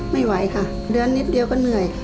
ไม่ไหวค่ะเดือนนิดเดียวก็เหนื่อย